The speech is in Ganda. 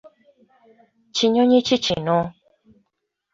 Kinyonyi ki kino?